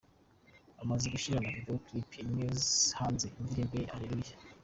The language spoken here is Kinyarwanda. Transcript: Amaze gushyira na video clip imwe hanze yindirimbo ye Hallelujah :.